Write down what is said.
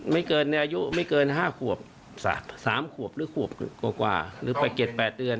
ไม่เกินอายุไม่เกิน๕ขวบ๓ขวบหรือขวบกว่ากว่าหรือไปเก็บ๘เดือน